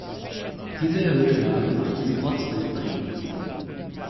Diese erhöhte Lage macht sie ortsbildprägend.